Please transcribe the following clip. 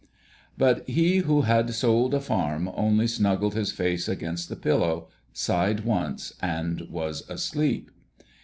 But he who had sold a farm only snuggled his face against the pillow, sighed once, and was asleep.